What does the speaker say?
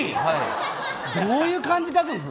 どういう漢字を書くんですか。